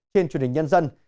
khiên truyền hình nhân dân